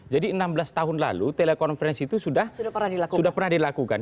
jadi enam belas tahun lalu telekonferensi itu sudah pernah dilakukan